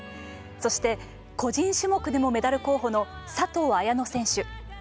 そして、個人種目でもメダル候補の佐藤綾乃選手。